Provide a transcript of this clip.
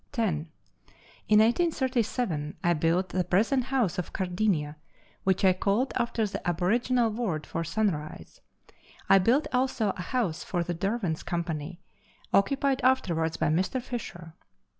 10. In 1837 I built the present house of Kardinia, which I called after the aboriginal word for " sunrise." I built also a house for the Derwent Company, occupied afterwards by Mr. Fisher.